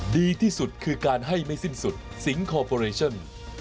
ดีที่สุดคือการให้ไม่สิ้นสุดสิงคอร์ปอเรชั่น